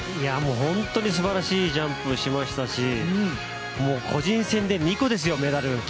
本当に素晴らしいジャンプしましたし個人戦で２個ですよ、メダル。